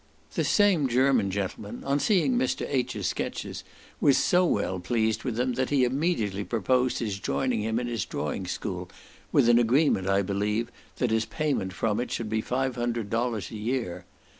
This same German gentleman, on seeing Mr. H.'s sketches, was so well pleased with them, that he immediately proposed his joining him in his drawing school, with an agreement, I believe that his payment from it should be five hundred dollars a year.